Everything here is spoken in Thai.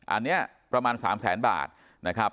อันนี้ประมาณ๓แสนบาทนะครับ